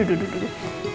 aduh aduh aduh